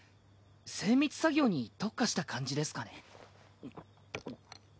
精密作業に特化した感じですかね。